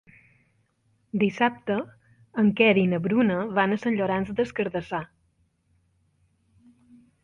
Dissabte en Quer i na Bruna van a Sant Llorenç des Cardassar.